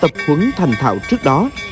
vấn thành thạo trước đó